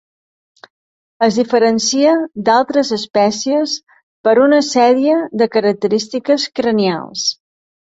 Es diferencia d'altres espècies per una sèrie de característiques cranials.